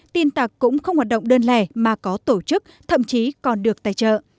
tin tặc cũng không hoạt động đơn lẻ mà có tổ chức thậm chí còn được tài trợ